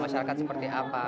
masyarakat seperti apa